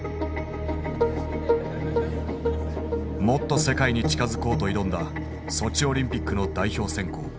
もっと世界に近づこうと挑んだソチオリンピックの代表選考。